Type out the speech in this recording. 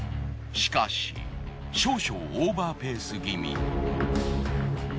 しかし少々オーバーペース気味。